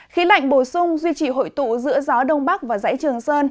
khí lạnh bổ sung duy trì hội tụ giữa gió đông bắc và dãy trường sơn